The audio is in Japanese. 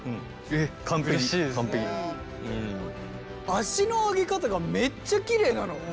足の上げ方がめっちゃきれいなの。